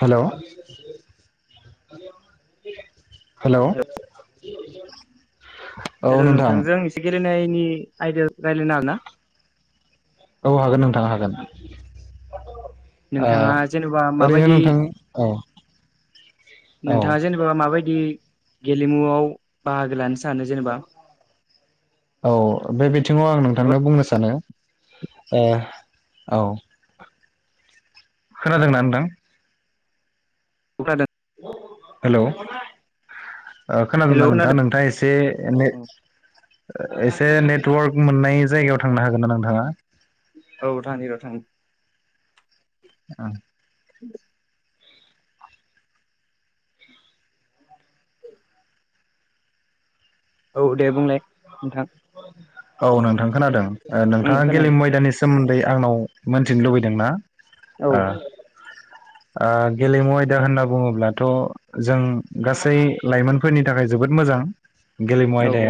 Hello hello hello hello नोंथां नोंथांजों एसे गेलेनाय नि आयदायाव रायज्लायनो हागोन ना औ हागोन नोंथां हागोन। ओ नोंथाङा जेनेबा ओरैनो माबायदि नोंथां औ औ नोंथाङा जेनेबा माबायदि गेलेमुआव बाहागो लानोस औ बे बिथिङाव आं नों थांनो बुंनो सानो ओ औ खोनादों ना नोथां? [inaudible] हेलौ ओ हेल' खोनादोंना नोंथां खोनादों नोंथाङा एसे ने औ ओ एसे नेटवार्क मोननाय जायगायाव थांनो हागोन ना नोंथाङा? औ थानि र' थांनि ओं [inaudible] औ दे बुंलाय नोंथां औ नोंथां खोनादों ओ ओं नोंथाङा खोनादों गेलेमु आयदानिस सोमोन्दै आंनाव मोनथिनो लुगैदोंना? औ ओ ओ गेलेमु आयदा होनना बुङोब्लाथ' जों गासै लाइमोनफोरनि थाखाय जोबोद मोजां गेले औ औ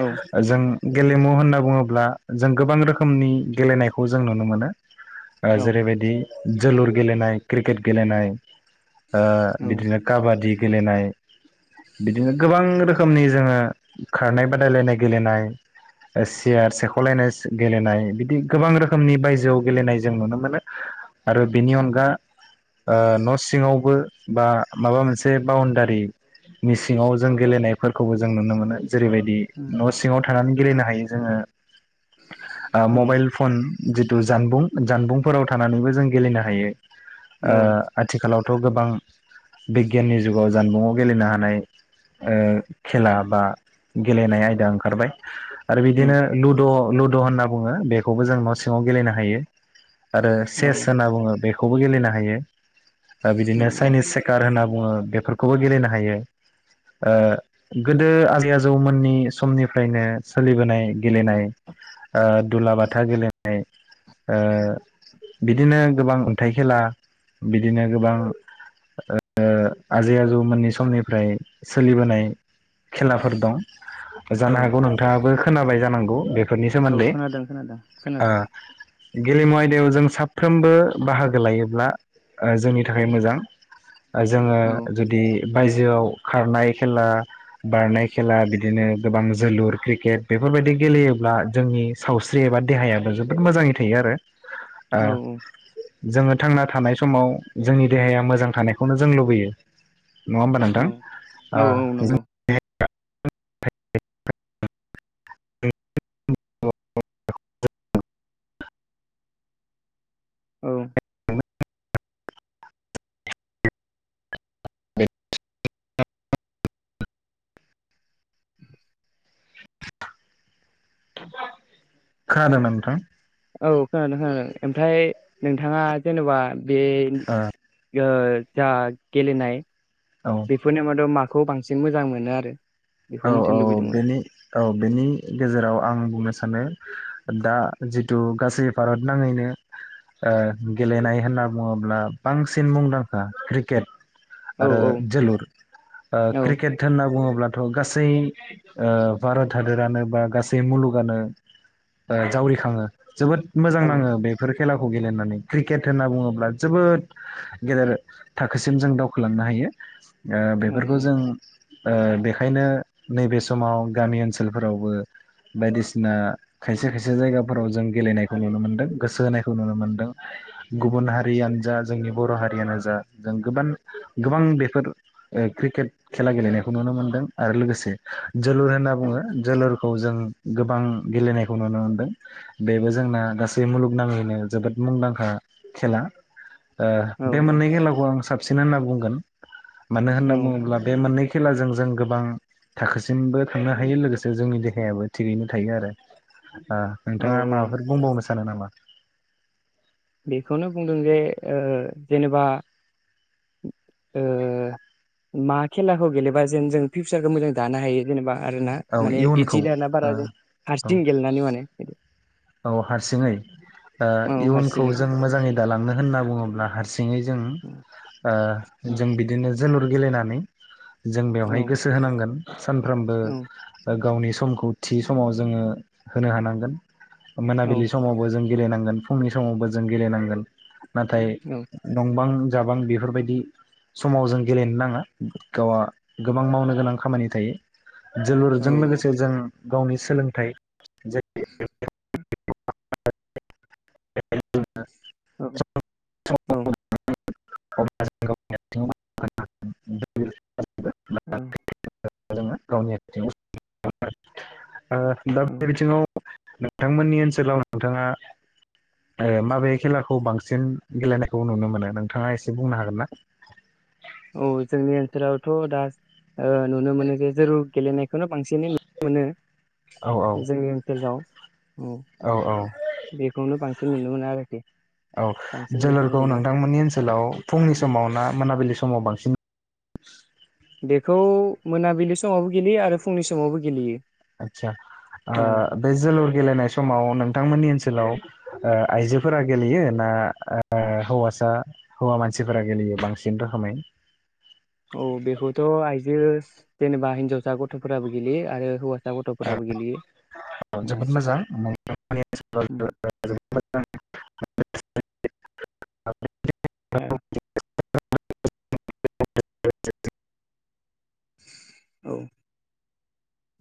औ जों गेलेमु होनना बुङोब्ला जों गोबां रोखोमनि गेलेनायखौ जों नुनो मोनो। ओ औ जेरैबायदि जोलुर गेलेनाय क्रिकेट गेलेनाय ओ बिदिनो काबादि गेलेनाय बिदिनो गोबां रोखोम खोमनि जोङो खारनाय बादायलायनाय गेलेनाय सियार सेख'लायनाय गेलेनाय बिदि गोबां रोखोमनि बायजोआव गेलेनाय जों नुनो मोनो आरो बेनि अनगा न' सिङावबो बा माबा मोनसे बाउण्डारिनि सिङाव जों गेलेनायफोरखौबो जों नुनो मोनो जेरैबायदि न' सिङाव थ थानानै गेलेनो हायो जोङो ओ मबाइल फन जिथु जानबुं जानबुंफोराव थानानैबो जों गेलेनो हायो ओ आथिखालाव थ' गोबां बिगियाननि जुगाव जानबुंआव गेलेनो हानाय ओ खेला बा गेलेनाय आयदा ओंखारबाय आरो बिदिनो लुदु लुदु' होनना बुङो बेखौबो जों न' सिङाव गेलेनो हायो आरो सेस होनना बुङो बेखौ खौबो गेलेनो हायो दा बिदिनो औ चाइनिस सेकार होनना बुङो बेफोरखौबो गेलेनो हायो ओ गोदो आजै आजौ आजौमोननि समनिफ्रायनो सोलिबोनाय गेलेनाय ओ दुलाबाथा गेलेनाय ओ बिदिनो गोबां अन्थाइ खेला बिदिनो गोबां ओ आजै आजौमोननि समनिफ्राय सोलिबोनाय खेल फोर दं औ जानो हागौ नोंथाङाबो खोनाबाय जानांगौ बे फोरनि औ सोमोन्दै खोनादों खोनादों ओ खोनादों गेलेमु आयदायाव जों साफ्रोमबो बाहागो लायोब्ला‌ ओ जोंनि थाखाय मोजां ओ जोङो औ जुदि बायजोआव खारनाय खेला बारनाय खेला बिदिनो गोबां जोलुर क्रिकेट बेफोरबायदि गेलेयोब्ला जोंनि सावस्रि एबा देहायाबो जोबोद मोजाङै थायो आरो ओ औ औ जोङो थांना थानाय समाव जोंनि देहाया मोजां थानायखौनो जों लुबैयो नङा होमबा औ नोंथां औ ओ औ जों नंगौ [unintelligible] औ खोनादों नोंथां औ खोनादों खोनादों ओमफ्राय नोंथाङा जेन'बा बे ओ जा गेलेनाय ओ बेफोरनि मादाव माख खौ बांसिन मोजां मोनो आरो बेखौ औ औ मिथिनो लुबैदोंमोन बेनि औ बेनि गेजेराव आं बुंनो सानो दा जिथु गासै भारत नाङैनो ओ गेलेनाय होनना बुङोब्ला बांसिन मुंदांखा क्रिकेट। औ आरो औ जोलुर ओ औ क्रिकेट होनना बुङोब्ला थ' गासै ओ भारत हादोरानो बा गासै मुलुगानो ओ जावरिखाङो। जोबोद मोजां औ नाङो बेफोर खेलाखौ गेलेनानै क्रिकेट होनना बुङोब्ला जोबोद गेदेर थाखोसिम जों दावखोलांनो हायो ओ बेफोरखौ जों ओ बे खायनो नैबे समाव गामि ओनसोलफोरावबो बायदिसिना खायसे खायसे जायगाफोराव जों गेलेनायखौ नुनो मोनदों गोसो होनायखौ नुनो मोनदों गुबुन हारियानो जा जोंनि बर' हारियानो जा जों गोबान गोबां बेफोर ओ क्रिकेट खेला गेलेनायखौ नुनो मोनदों। आरो लोगोसे जोलुर होनना औ बुङो जोलुरखौ जों गोबां गेलेनायखौ नुनो मोनदों बेबो जोंना गासै मुलुगनाङैनो जोबोद मुंदांखा खेला। ओ औ बे मोननै खेलाखौ आं साबसिन होनना बुं बुंगोन मानो औ होननानै बुङोब्ला बे मोननै खेलाजों जों गोबां थाखोसिमबो थांनो हायो लोगोसे जोंनि देहायाबो थिगैनो थायो आरो। आ औ नोंथाङा औ माबाफोर बुंबावनो सान सानो नामा? बेखौनो बुंदों जे ओ जेनेबा ओ मा खेलाखौ गेलेबा जेन जों फिउसारखौ मोजां दानो हायो जेनेबा आरोना औ माने इदि इयुनखौ दाना ओ बारा जों औ हारसिं गेलेनानै माने बिदि औ हारसिङै ओ औ इयुनखौ हारसिङै खौ जों मोजाङै दालांनो होनना बुङोब्ला हारसिङै जों [inaudible] ओ जों बिदिनो जोलुर गेलेनानै जों औ बेवहाय गोसो होनांगोन सानफ्रोमबो। औ गावनि समखौ थि समाव जोङो होनो हानांगोन औ मोनाबिलि समावबो जों गेलेनांगोन फुंनि समावबो जों गेलेनांगोन। नाथाय औ नंबां जाबां बेफोरबायदि समाव जों गेलेनो नाङा गावआ गोबां मावनो गोनां खामानि थायो। जोलुरजों लोगोसे जों गावनि सोलोंथाइ [unintelligible] [unintelligible] औ औ [unintelligible] ओं [unintelligible] ओ [unintelligible] औ बे बिथिङाव नोंथांमोननि ओनसोलाव नोंथाङा ओ माबे खेलाखौ बांसिन गेलेनायखौ नुनो मोनो नों नोंथाङा एसे बुंनो हागोन ना? औ जोंनि ओनसोलावथ दा ओ नुनो मोनो जे जोलुर गेलेनाय बेखौनो बांसिनै नुनो मोनो औ औ जोंनि ओनसोलाव औ बेखौनो बांसिन थ' नुनो मोनना आरो औ जोलुरखौ नोंथांमोननि ओनसोलाव फुंनि समाव ना मोनाबिलि समाव बांसिन [unintelligible] बेखौ मोनाबिलि समावबो गेलेयो आरो फुंनि समावबो गेलेयो आदसा ओ उम बे जोलुर गेलेनाय समाव नोंथांमोननि ओनस सोलाव ओ आइजोफोरा गेलेयो ना ओ हौवासा हौवा मानसिफोरा गेलेयो बांसिन रोखोमै? औ बेखौथ' आइजो जेनेबा हिनजावसा गथ'फोराबो गेलेयो आरो हौवा औ औ जोबोद मोजां [unintelligible] [unintelligible] औ [unintelligible]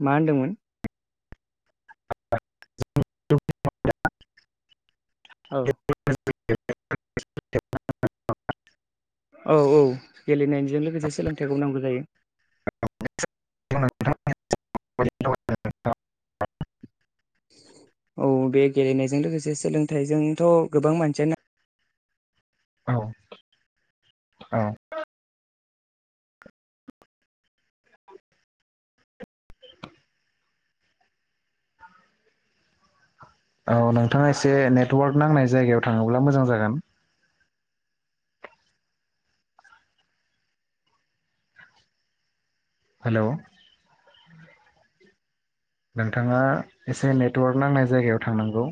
मा होनदोंमोन? [unintelligible] औ [unintelligible] औ औ गेलेनायजों लोगोसे सोलोंथाइखौ नांगौ जायो। [inaudible] [unintelligible] औ बे गेलेनायजों लोगोसे सोलोंथाइजोंथ' गोबां मानसियानो औ औ औ नोंथाङा एसे नेटवार्क नांनाय जायगायाव थाङोब्ला मोजां जागोन। हेलौ नोंथाङा एसे नेटवारक नांनाय जायगायाव थांनांगौ